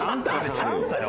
「チャンスだよ」。